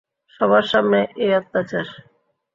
সবার সামনে এই অত্যাচার।